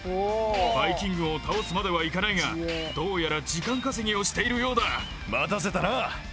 バイ菌軍を倒すまではいかないがどうやら時間稼ぎをしているようだ。